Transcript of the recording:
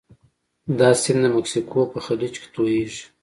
دا سیند د مکسیکو په خلیج کې تویږي.